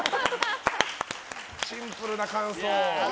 シンプルな感想。